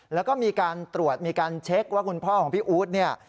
แล้วก็มีการตรวจมีการเช็คว่าคุณพ่อของพี่อู๊ดเนี่ย